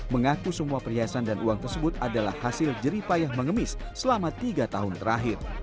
mengaku semua perhiasan dan uang tersebut adalah hasil jeripayah mengemis selama tiga tahun terakhir